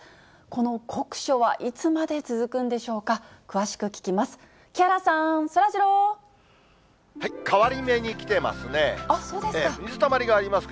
この酷暑はいつまで続くんでしょうか、詳しく聞きます。